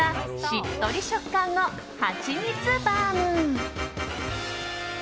しっとり食感のはちみつバウム。